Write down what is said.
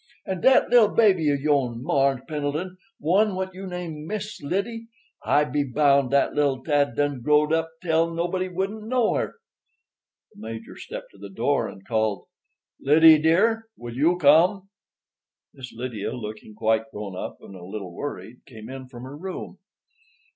"And dat little baby of yo'n, Mars' Pendleton—one what you name Miss Lyddy—I be bound dat little tad done growed up tell nobody wouldn't know her." The Major stepped to the door and called: "Lydie, dear, will you come?" Miss Lydia, looking quite grown up and a little worried, came in from her room.